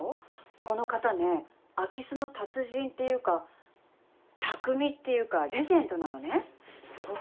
この方ね空き巣の達人っていうか匠っていうかレジェンドなのねすごくない？